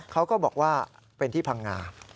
เขาก็บอกว่าเป็นที่พังงา